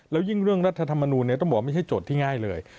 แล้วยิ่งเรื่องรัฐธรรมนูลต้องบอกไม่ใช่โจทย์ที่ง่ายเลย